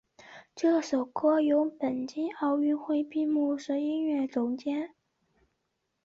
这首歌由北京奥运会闭幕式音乐总监卞留念谱曲。